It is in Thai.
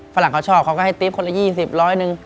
ฝรั่งเขาชอบเขาก็ให้ติ๊บคนละ๒๐ร้อยหนึ่ง